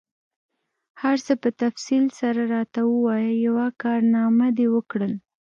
هر څه په تفصیل سره راته ووایه، یوه کارنامه دي وکړل؟